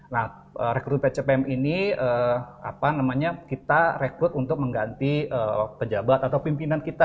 nah rekrut pcpm ini kita rekrut untuk mengganti pejabat atau pimpinan kita